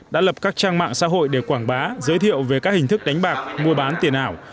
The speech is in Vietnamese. đã lập các trang mạng xã hội để quảng bá giới thiệu về các hình thức đánh bạc mua bán tiền ảo